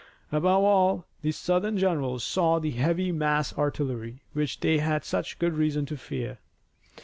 Above all the Southern generals saw the heavily massed artillery, which they had such good reason to fear.